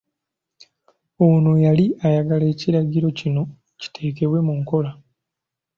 Ono yali ayagala ekiragiro kino kiteekebwe mu nkola.